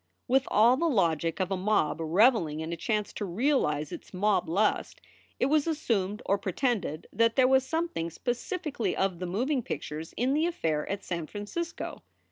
With all the logic of a mob reveling in a chance to realize its mob lust, it was assumed or pretended that there was something specifically of the moving pictures in the affair at San Francisco.